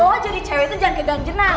makanya lo jadi cewek itu jangan gedang jenang